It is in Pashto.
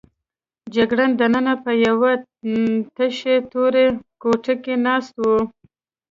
جګړن دننه په یوې تشې تورې کوټې کې ناست و.